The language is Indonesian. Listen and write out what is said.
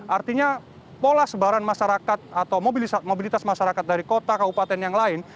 artinya pola sebaran masyarakat atau mobilitas masyarakat dari kota kabupaten yang lain